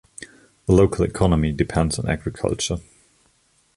The local economy depends on agriculture.